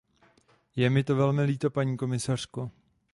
Je mi to velmi líto, paní komisařko.